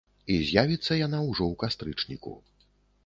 І з'явіцца яна ўжо ў кастрычніку.